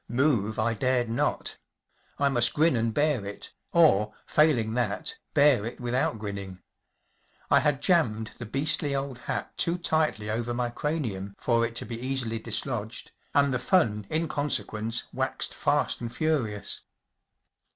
Move I dared not. I must grin and bear it, or, failing that, bear it without grinning. I had jammed the beastly old hat too tightly over my cranium for it to be easily dislodged, and the fun in consequence waxed fast and furious.